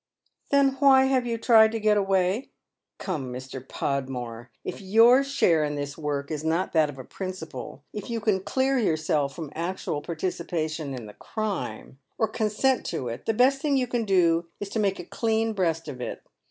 " Then why have you tried to cret away ? Come, Mr. Podmore, if your share in this work is not that of a principal, if you can clear yourself from actual participation in the crime, or consent to it, the best thing you can do is to make a clean breast of it.